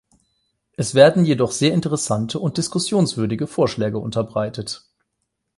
Es werden jedoch sehr interessante und diskussionswürdige Vorschläge unterbreitet.